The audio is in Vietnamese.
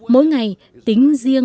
mỗi ngày tính riêng